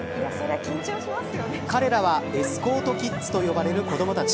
彼らはエスコートキッズと呼ばれる子どもたち。